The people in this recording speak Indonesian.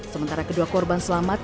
sementara kedua korban selamat